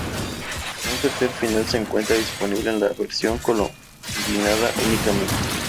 Un tercer final se encuentra disponible en la versión combinada únicamente.